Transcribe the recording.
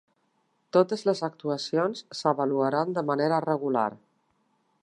Totes les actuacions s'avaluaran de manera regular